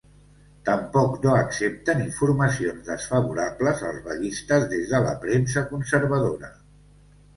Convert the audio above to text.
Tampoc no accepten informacions desfavorables als vaguistes des de la premsa conservadora.